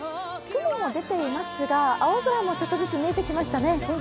雲は出ていますが、青空もちょっとずつ見えてきましたね。